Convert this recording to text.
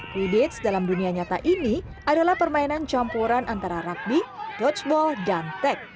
quidditch dalam dunia nyata ini adalah permainan campuran antara rugby dodgeball dan tag